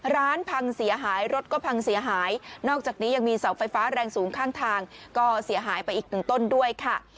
ร้านพังเสียหายรถก็พังเสียหายนอกจากนี้ยังมีเสาไฟฟ้าแรงสูงข้างทางก็เสียหายไปอีกหนึ่งต้นด้วยค่ะ